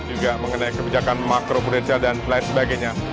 juga mengenai kebijakan makro prudensial dan lain sebagainya